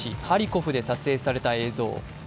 ハリコフで撮影された映像。